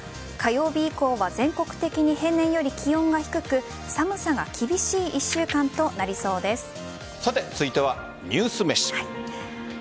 火曜日以降は全国的に平年より気温が低く寒さが厳しい１週間となりそうです。